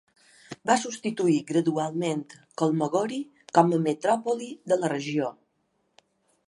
Va substituir gradualment Kholmogory com a metròpoli de la regió.